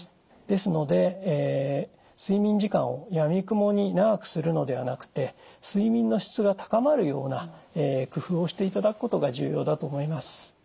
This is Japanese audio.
ですので睡眠時間をやみくもに長くするのではなくて睡眠の質が高まるような工夫をしていただくことが重要だと思います。